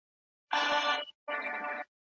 خپل وطن خپل یې څښتن سو خپل یې کور سو